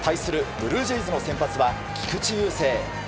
ブルージェイズの先発は菊池雄星。